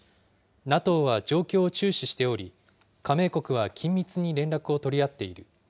ＮＡＴＯは状況を注視しており、加盟国は緊密に連絡を取り合っている。